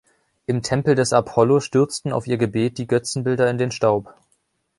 Im Tempel des Apollo stürzten auf ihr Gebet die Götzenbilder in den Staub.